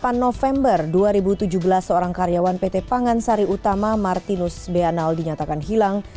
pada november dua ribu tujuh belas seorang karyawan pt pangan sari utama martinus beanal dinyatakan hilang